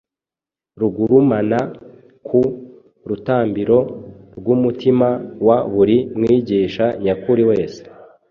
rugurumana ku rutambiro rw’umutima wa buri mwigishwa nyakuri wese.